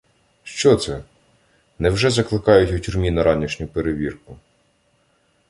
Що це?! Невже закликають у тюрмі на ранішню перевірку?